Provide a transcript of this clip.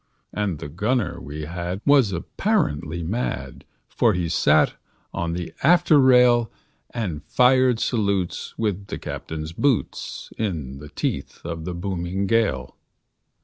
And the gunner we had was apparently mad, For he sat on the after rail, And fired salutes with the captain's boots, In the teeth of the booming gale.